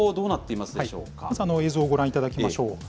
いくつか映像をご覧いただきましょう。